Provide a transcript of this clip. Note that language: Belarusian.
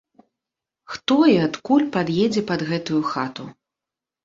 Хто і адкуль пад'едзе пад гэтую хату?